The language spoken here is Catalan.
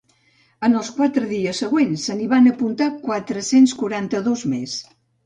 Els quatre dies següents se n’hi van apuntar mil quatre-cents quaranta-dos més.